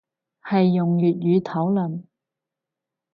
係用粵語討論